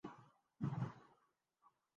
پانی جیسے ہی نل سے نکلتا تو یوں لگتا